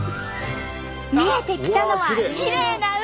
見えてきたのはきれいな海！